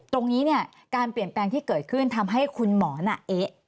ตรงนี้เนี่ยการเปลี่ยนแปลงที่เกิดขึ้นทำให้คุณหมอน่ะเอ๊ะ